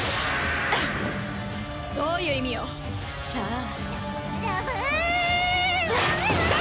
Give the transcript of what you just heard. どういう意味よ？